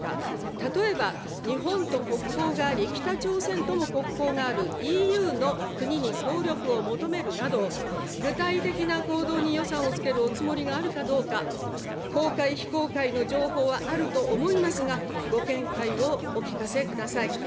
例えば、日本と国交があり、北朝鮮とも国交があるＥＵの国に協力を求めるなど、具体的な行動に予算をつけるおつもりがあるかどうか、公開非公開の情報はあると思いますが、ご見解をお聞かせください。